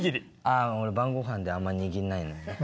ああ俺晩ごはんであんま握んないのよね。